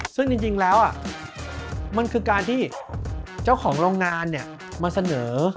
ซึ่งจริงแล้วมันคือการที่เจ้าของโรงงานมาเสนอ